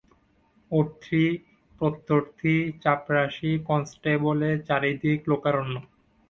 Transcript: অর্থী প্রত্যর্থী চাপরাসী কনস্টেবলে চারি দিক লোকারণ্য।